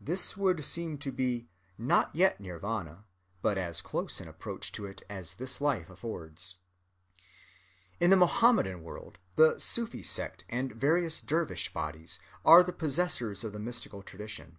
This would seem to be, not yet Nirvâna, but as close an approach to it as this life affords.(245) In the Mohammedan world the Sufi sect and various dervish bodies are the possessors of the mystical tradition.